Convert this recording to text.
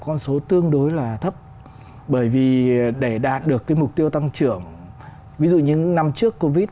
sáu năm là con số tương đối là thấp bởi vì để đạt được cái mục tiêu tăng trưởng ví dụ như năm trước covid